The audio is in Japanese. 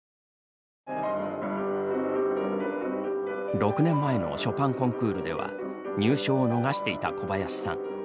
６年前のショパンコンクールでは入賞を逃していた小林さん。